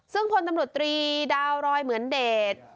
ซึ่งพลตำรวจตรีดาวรอยเหมือนเดช